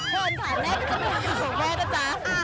เดี๋ยวฉันแม่จะมาเจอกับแม่สิจ๊ะ